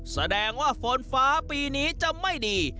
แสดงว่าฝนฟ้าปีนี้จะไม่ดี